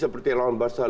seperti lawan barca